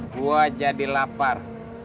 gue jadi lapar